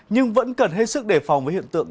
nhưng vẫn cần hết sức đề phòng với hiện tượng